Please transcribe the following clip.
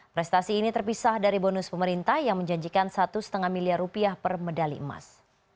prestasi ini terpisah dari bonus pemerintah yang menjanjikan satu lima miliar rupiah per medali emas